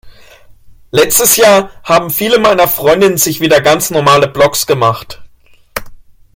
Letztes Jahr haben viele meiner Freundinnen sich wieder ganz normale Blogs gemacht.